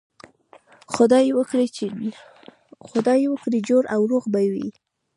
خدای وکړي جوړ او روغ به وئ.